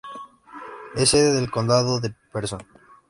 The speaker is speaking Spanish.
Es sede del condado de Person.